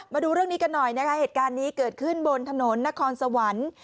มาดูเรื่องนี้กันหน่อยนะคะเหตุการณ์นี้เกิดขึ้นบนถนนนครสวรรค์